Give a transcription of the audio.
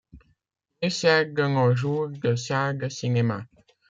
Il sert de nos jours de salle de cinéma.